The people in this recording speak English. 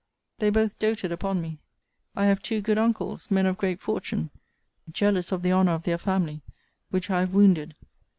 they both doated upon me. 'I have two good uncles: men of great fortune; jealous of the honour of their family; which I have wounded.